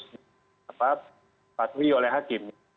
terus itu harus disesuaikan oleh hakim